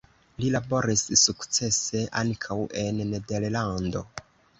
Li laboris sukcese ankaŭ en Nederlando.